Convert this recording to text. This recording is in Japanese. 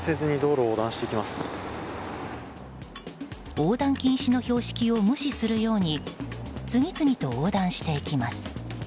横断禁止の標識を無視するように次々と横断していきます。